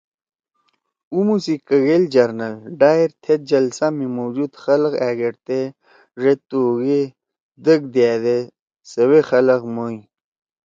عُمُو سی کگیل جرنل ڈائر تھید جلسہ می موجود خلگ أگیڑتے ڙید تُوہُوگے دک دیِأدے سؤے خلگ ئے موئی